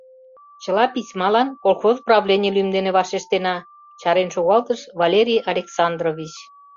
— Чыла письмалан колхоз правлений лӱм дене вашештена, — чарен шогалтыш Валерий Александрович.